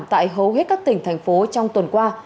tại hầu hết các tỉnh thành phố trong tuần qua